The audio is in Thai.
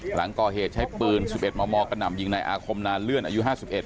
หลังก่อเหตุใช้ปืน๑๑มมกระหน่ำยิงในอาคมนานเลื่อนอายุห้าสิบเอ็ด